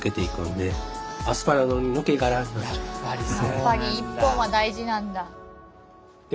やっぱり１本は大事なんだ。